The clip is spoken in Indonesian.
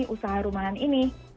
usaha rumahan ini